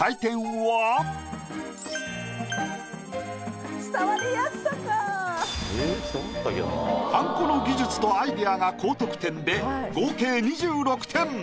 はんこの技術とアイデアが高得点で合計２６点。